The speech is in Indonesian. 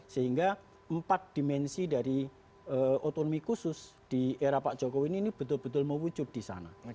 sehingga empat dimensi dari otonomi khusus di era pak jokowi ini betul betul mewujud di sana